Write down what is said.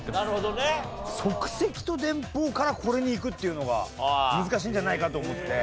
即席と電報からこれにいくっていうのが難しいんじゃないかと思って。